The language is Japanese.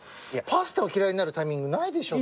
パスタを嫌いになるタイミングないでしょ。